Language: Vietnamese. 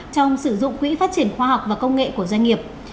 trong sử dụng quỹ phát triển khoa học và công nghệ của doanh nghiệp